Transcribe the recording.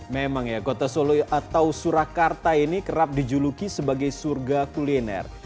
memang ya kota solo atau surakarta ini kerap dijuluki sebagai surga kuliner